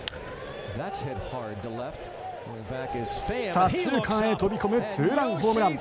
左中間へ飛び込むツーランホームラン。